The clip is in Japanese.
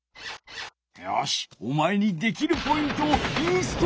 よしお前にできるポイントをインストールじゃ！